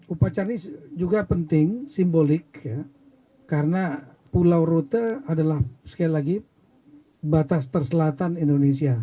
upacara ini juga penting simbolik karena pulau rute adalah sekali lagi batas terselatan indonesia